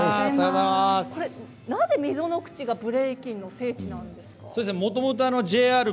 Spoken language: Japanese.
なぜ溝の口がブレイキンの聖地なんですか？